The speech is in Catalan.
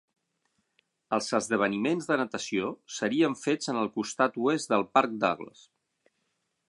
Els esdeveniments de natació serien fets en el costat oest del Parc Douglas.